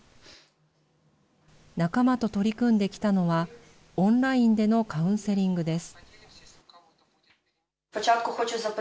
仲間と取り組んできたのは、オンラインでのカウンセリングです。